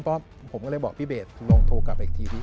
เพราะผมก็เลยบอกพี่เบสลองโทรกลับอีกที